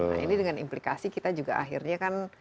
nah ini dengan implikasi kita juga akhirnya kan